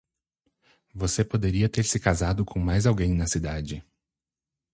Você poderia ter se casado com mais alguém na cidade.